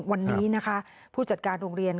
วันนี้นะคะผู้จัดการโรงเรียน